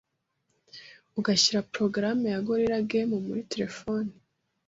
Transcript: ugashyira porogaramu ya Gorilla Games muri telefone